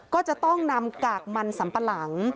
ก็จะต้องนำกากมันสัมปะหลัง